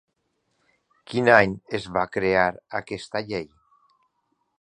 Quin any es va crear aquesta llei?